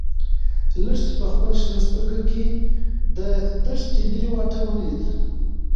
لښتې په خپلو شنه سترګو کې د دښتې لیرې واټن ولید.